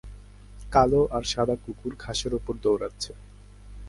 কালো আর সাদা কুকুর ঘাসের উপর দৌড়াচ্ছে